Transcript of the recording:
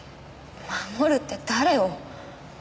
守るって誰を？